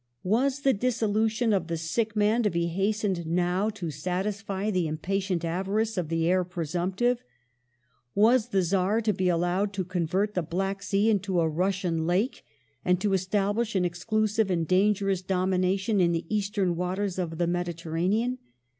Was the dissolution of the sick man to be hastened now to satisfy the impatient avarice of the heir presumptive? Was the Czar to be allowed to convert the Black Sea into a Russian lake, and to establish an exclusive and dangerous domination in the eastern waters of the Mediterranean